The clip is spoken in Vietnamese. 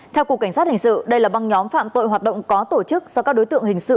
theo cục cảnh sát hình sự đây là băng nhóm phạm tội hoạt động có tổ chức do các đối tượng hình sự